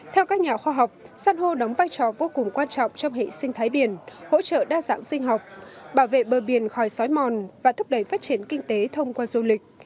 theo các nhà khoa học săn hô đóng vai trò vô cùng quan trọng trong hệ sinh thái biển hỗ trợ đa dạng sinh học bảo vệ bờ biển khỏi sói mòn và thúc đẩy phát triển kinh tế thông qua du lịch